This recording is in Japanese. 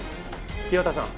岩田さん。